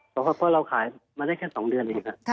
เพราะว่าพ่อเราขายมาได้แค่สองเดือนเองค่ะ